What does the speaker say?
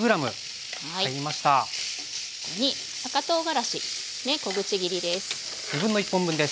ここに赤とうがらしね小口切りです。